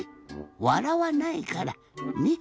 わらわないからねっ。